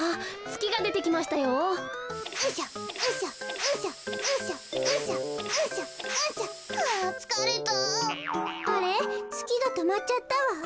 つきがとまっちゃったわ。